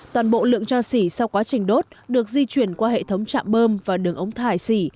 toàn bộ lượng cho xỉ sau quá trình đốt được di chuyển qua hệ thống trạm bơm và đường ống thải xỉ